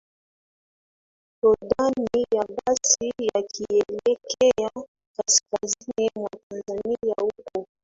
o ndani ya basi wakielekea kaskazini mwa tanzania huko